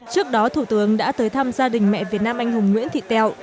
trước đó thủ tướng đã tới thăm gia đình mẹ việt nam anh hùng nguyễn thị tẹo